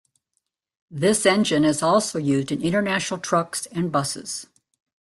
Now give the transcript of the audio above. This engine is also used in International trucks and buses.